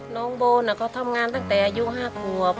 น้องโบนเขาทำงานตั้งแต่อายุ๕ขวบ